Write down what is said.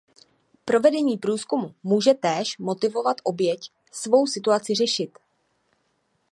Provedení průzkumu může též motivovat oběť svou situaci řešit.